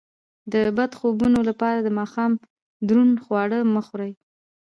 د بد خوبونو لپاره د ماښام دروند خواړه مه خورئ